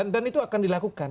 dan itu akan dilakukan